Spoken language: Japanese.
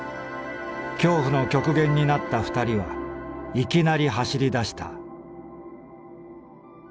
恐怖の極限になった二人はいきなり走り出した」。